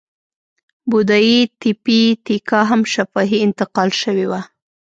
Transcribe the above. بودایي تیپي تیکا هم شفاهي انتقال شوې وه.